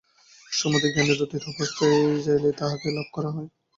সমুদয় জ্ঞানের অতীত অবস্থায় যাইলেই তাঁহাকে লাভ করা হয়।